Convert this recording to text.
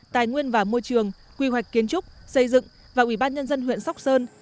tài nguyên và môi trường quy hoạch kiến trúc xây dựng và ubnd huyện sóc sơn